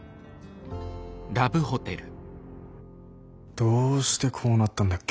どうしてこうなったんだっけ？